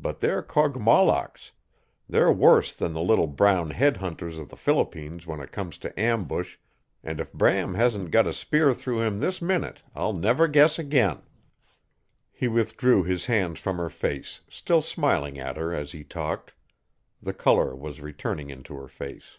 But they're Kogmollocks. They're worse than the little brown head hunters of the Philippines when it comes to ambush, and if Bram hasn't got a spear through him this minute I'll never guess again!" He withdrew his hands from her face, still smiling at her as he talked. The color was returning into her face.